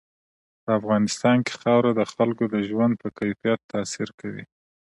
په افغانستان کې خاوره د خلکو د ژوند په کیفیت تاثیر کوي.